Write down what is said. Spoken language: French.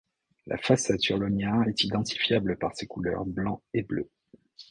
La façade sur l'Onyar est identifiable par ses couleurs blanc et bleu.